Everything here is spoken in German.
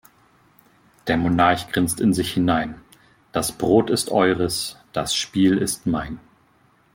Der Monarch grinst in sich hinein: Das Brot ist eures, das Spiel ist mein.